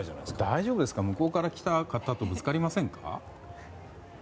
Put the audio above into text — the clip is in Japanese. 大丈夫ですか向こうから来た方とぶつかりませんか？